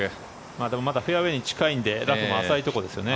でもまだフェアウェーに近いのでラフも浅いところですよね。